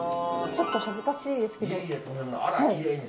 ちょっと恥ずかしいですけど。